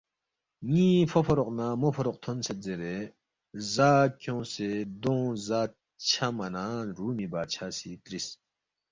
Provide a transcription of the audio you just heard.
ن٘ی فوفوروق نہ موفوروق تھونسید زیرے زا کھیونگسے دونگ زا چھما نہ رُومی بادشاہ سی ترِس،